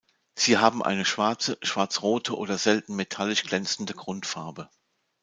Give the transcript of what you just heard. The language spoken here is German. Sie haben eine schwarze, schwarz-rote oder selten metallisch glänzende Grundfarbe.